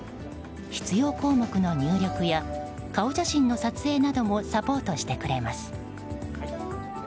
必要項目の入力や顔写真の撮影などもサポートしてくれます。